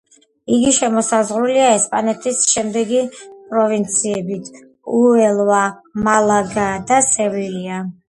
იგი შემოსაზღვრულია ესპანეთის შემდეგი პროვინციებით: უელვა, მალაგა და სევილია.